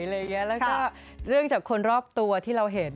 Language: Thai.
อะไรอย่างนี้แล้วก็เรื่องจากคนรอบตัวที่เราเห็น